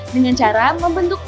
dengan cara membentuk